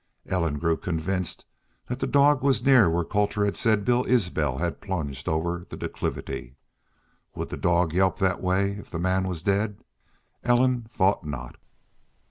Ellen grew convinced that the dog was near where Colter had said Bill Isbel had plunged over the declivity. Would the dog yelp that way if the man was dead? Ellen thought not.